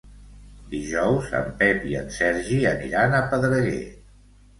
Dijous en Pep i en Sergi aniran a Pedreguer.